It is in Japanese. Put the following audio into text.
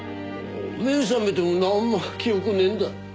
目覚めてもなんも記憶ねえんだ。